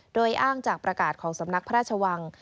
โดยอ้างจากประกาศของสำนักพระราชวัง